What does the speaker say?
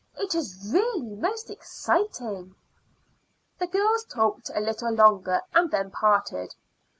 It is really most exciting." The girls talked a little longer and then parted.